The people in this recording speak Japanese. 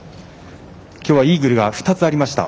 きょうはイーグルが２つありました。